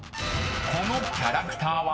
［このキャラクターは？］